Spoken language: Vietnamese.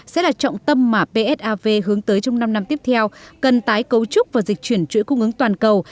sẽ là trọng tâm mà psav hướng tới trong năm năm tiếp theo cần tái cấu trúc và dịch chuyển chuỗi cung ứng toàn cầu